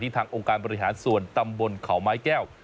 ทางองค์การบริหารส่วนตำบลเขาไม้แก้ว